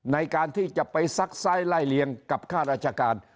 ในการที่จะไปซักไซส์ไล่เลี้ยงกับค่าราชการ